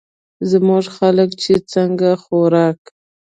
زمونږ خلک چې څنګه خوراک